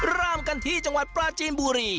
เริ่มกันที่จังหวัดปลาจีนบุรี